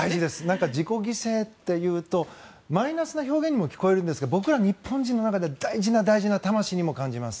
何か、自己犠牲というとマイナスの表現にも聞こえるんですが僕ら日本人の中では大事な魂にも感じます。